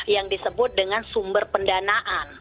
yang disebut dengan sumber pendanaan